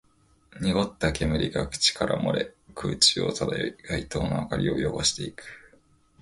濁った煙が口から漏れ、空中を漂い、街灯の明かりを汚していく